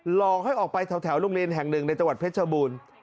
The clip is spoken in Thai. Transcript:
หลอกให้ออกไปแถวโรงเรียนแห่ง๑ในประเภทเจ้าบูรณ์